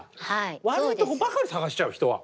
悪いところばかり探しちゃう人は。